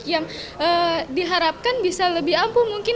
yang diharapkan bisa lebih ampuh mungkin